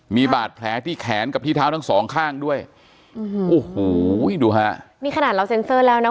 มีบาดแผลที่แขนกับที่เท้าทั้งสองข้างด้วยอืมโอ้โหดูฮะนี่ขนาดเราเซ็นเซอร์แล้วนะ